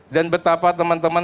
dan betapa teman teman